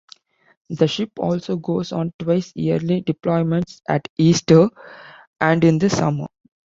The ship also goes on twice yearly deployments, at Easter and in the summer.